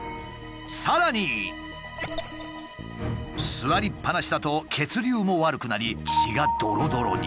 さらに座りっぱなしだと血流も悪くなり血がドロドロに。